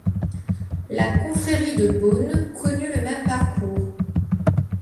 La confrérie de Beaune connut le même parcours.